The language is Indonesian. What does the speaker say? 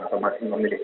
atau masih memiliki